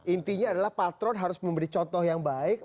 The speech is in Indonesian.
intinya adalah patron harus memberi contoh yang baik